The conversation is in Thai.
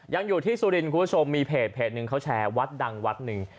ยังอยู่ที่สุรินทร์คุณผู้ชมมีเพจหนึ่งเขาแชร์วัดดังวัดหนึ่ง